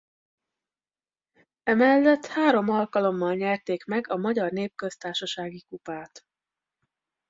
Emellett három alkalommal nyerték meg a Magyar Népköztársasági Kupát.